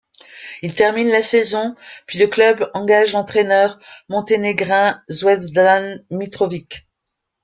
Il termine la saison puis le club engage l'entraîneur monténégrin Zvezdan Mitrović.